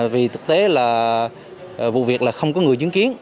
vì thực tế là vụ việc là không có người chứng kiến